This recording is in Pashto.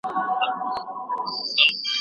په مابينځ کي یو لوی او عصري پوهنتون جوړېږي.